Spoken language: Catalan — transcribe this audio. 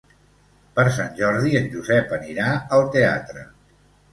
Per Sant Jordi en Josep anirà al teatre.